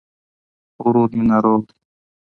ورور مي ناروغ دي